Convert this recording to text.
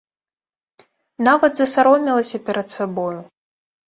Нават засаромелася перад сабою.